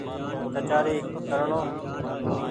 ڪچآري ڪرڻو